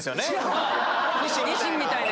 ニシンみたいな。